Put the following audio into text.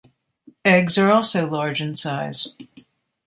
Eggs are also large in size.